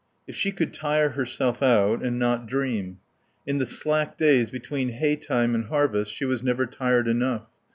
If she could tire herself out, and not dream. In the slack days between hay time and harvest she was never tired enough.